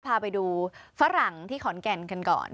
พาไปดูฝรั่งที่ขอนแก่นกันก่อน